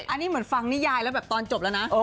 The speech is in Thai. อันนี้เหมือนฟังนิยายแล้วแบบตอนจบแล้วนะ